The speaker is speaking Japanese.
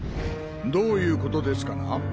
どういうことですかな？